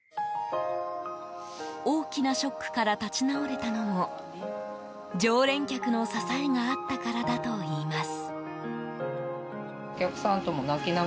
大きなショックから立ち直れたのも常連客の支えがあったからだといいます。